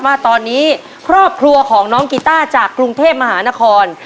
ว่าตอนนี้ครอบครัวของน้องกีต้าจากกรุงเทพมหานคร